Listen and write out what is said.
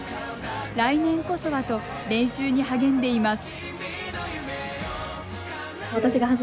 来年こそはと練習に励んでいます。